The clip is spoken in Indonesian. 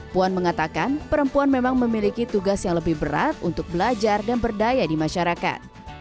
puan mengatakan perempuan memang memiliki tugas yang lebih berat untuk belajar dan berdaya di masyarakat